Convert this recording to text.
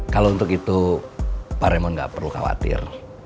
kalau untuk itu pak remon gak perlu khawatir